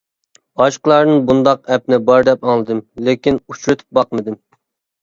باشقىلاردىن بۇنداق ئەپنى بار دەپ ئاڭلىدىم، لېكىن ئۇچرىتىپ باقمىدىم.